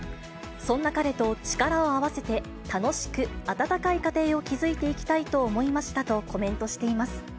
そんな彼と力を合わせて、楽しく温かい家庭を築いていきたいと思いましたとコメントしています。